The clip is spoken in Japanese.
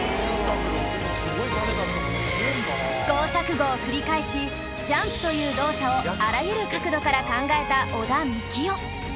試行錯誤を繰り返しジャンプという動作をあらゆる角度から考えた織田幹雄